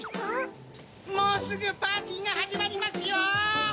・もうすぐパーティーがはじまりますよ！